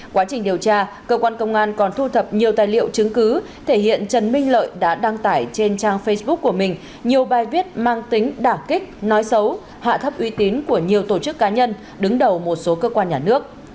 quá trình điều tra cơ quan công an còn thu thập nhiều tài liệu chứng cứ thể hiện trần minh lợi đã đăng tải trên trang facebook của mình nhiều bài viết mang tính đả kích nói xấu hạ thấp uy tín của nhiều tổ chức cá nhân đứng đầu một số cơ quan nhà nước